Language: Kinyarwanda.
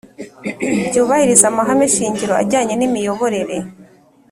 Byubahirize amahame shingiro ajyanye n imiyoborere